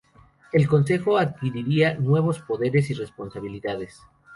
El Consejo adquiriría nuevos poderes y responsabilidades.